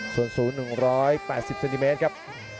ส่วนสูง๑๘๐เซนติเมตรครับ